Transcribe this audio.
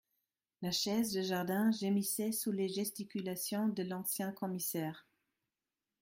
La chaise de jardin gémissait sous les gesticulations de l’ancien commissaire